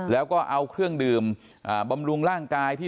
แล้วก็เอาเครื่องดื่มบำรุงร่างกายที่